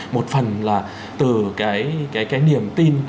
một phần là từ cái niềm tin